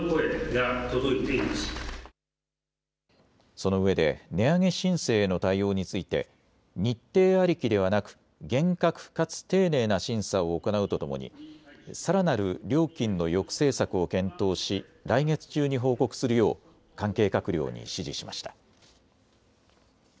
そのうえで値上げ申請への対応について日程ありきではなく厳格かつ丁寧な審査を行うとともにさらなる料金の抑制策を検討し来月中に報告するよう関係閣僚に指示しました。